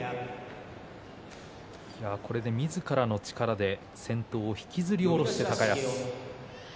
これでみずからの力で先頭を引きずり下ろした高安。